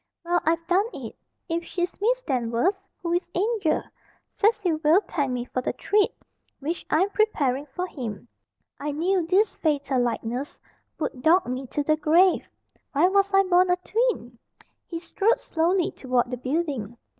"Well I've done it! If she's Miss Danvers who is 'Angel?' Cecil will thank me for the treat which I'm preparing for him. I knew this fatal likeness would dog me to the grave. Why was I born a twin?" He strolled slowly toward the building.